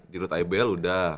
di rute ibl udah